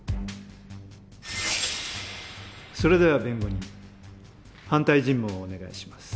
それでは弁護人反対尋問をお願いします。